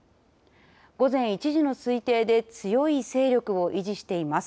午前１時の推定で強い勢力を維持しています。